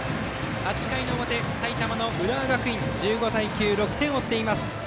８回表、埼玉の浦和学院１５対９と６点を追います。